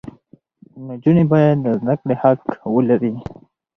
نجونې باید د زده کړې حق ولري.